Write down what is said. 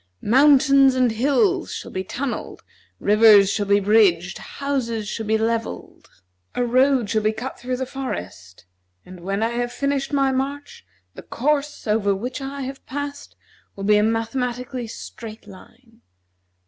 Mountains and hills shall be tunnelled, rivers shall be bridged, houses shall be levelled; a road shall be cut through forests; and, when I have finished my march, the course over which I have passed shall be a mathematically straight line.